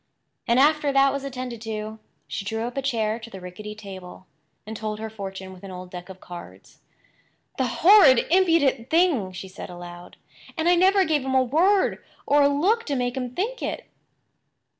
And after that was attended to, she drew up a chair to the rickety table, and told her fortune with an old deck of cards. "The horrid, impudent thing!" she said aloud. "And I never gave him a word or a look to make him think it!"